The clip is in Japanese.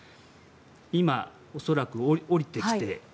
今、恐らく降りてきて。